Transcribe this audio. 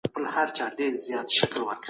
لويه جرګه به د رسنيو د ازادۍ ملاتړ وکړي.